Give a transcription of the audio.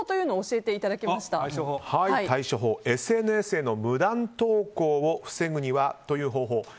その対処法をＳＮＳへの無断投稿を防ぐにはという方法。